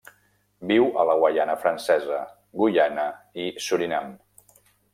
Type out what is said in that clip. Viu a la Guaiana Francesa, Guyana i Surinam.